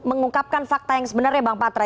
atau mengucapkan fakta yang sebenarnya bang patra